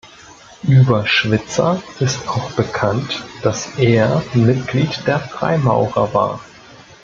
Über Switzer ist auch bekannt, dass er Mitglied der Freimaurer war.